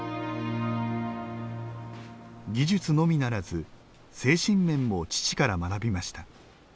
技術のみならず精神面も父から学びました。